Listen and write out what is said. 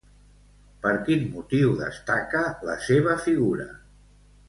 Per quin motiu destaca la seva figura?